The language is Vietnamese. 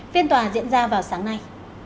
phiên tòa diễn ra vào sáng nay